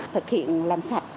thực hiện làm sạch